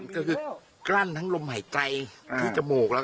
ก็คือกลั้นทั้งลมหายใจที่จมูกแล้ว